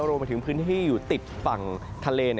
รวมไปถึงพื้นที่อยู่ติดฝั่งทะเล